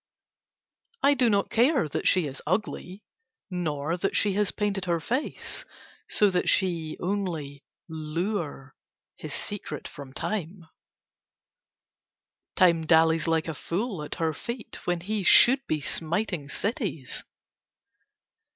I do not care that she is ugly, nor that she has painted her face, so that she only lure his secret from Time. Time dallies like a fool at her feet when he should be smiting cities.